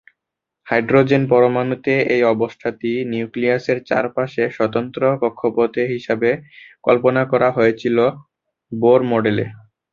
Hydrogen পরমাণুতে এই অবস্থাটি নিউক্লিয়াসের চারপাশে স্বতন্ত্র কক্ষপথ হিসাবে কল্পনা করা হয়েছিল বোর মডেল এ।